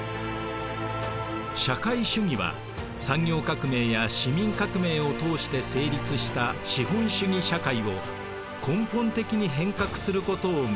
社会主義は産業革命や市民革命を通して成立した資本主義社会を根本的に変革することを目指します。